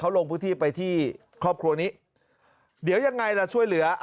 ลงพื้นที่ไปที่ครอบครัวนี้เดี๋ยวยังไงล่ะช่วยเหลือ